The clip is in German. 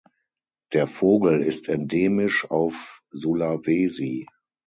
Der Vogel ist endemisch auf Sulawesi.